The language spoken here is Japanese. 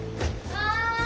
はい。